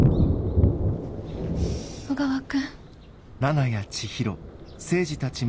小川君。